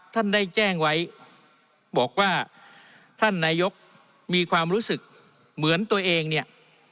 ท่านได้แจ้งไว้บอกว่าท่านนายกมีความรู้สึกเหมือนตัวเองเนี่ย